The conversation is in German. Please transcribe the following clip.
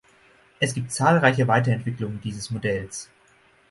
Es gibt zahlreiche Weiterentwicklungen dieses Modells.